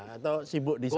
atau sibuk di sewa